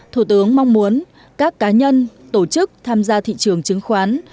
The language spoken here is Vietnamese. thủ tướng mong muốn các cá nhân tổ chức tham gia thị trường chứng khoán